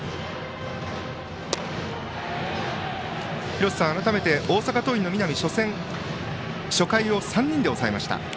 廣瀬さん、改めて大阪桐蔭の南は初回を３人で抑えました。